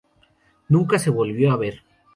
Nunca se lo volvió a ver.